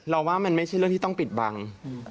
ว่ามันไม่ใช่เรื่องที่ต้องปิดบัง